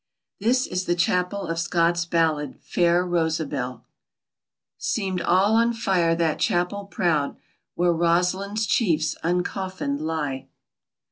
This is the chapel of Scott's ballad, "Fair Rosabelle": "Seemed all on fire that chapel proud Where Roslin's chiefs uncoffined lie."